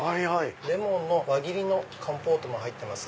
レモンの輪切りのコンポートも入ってます。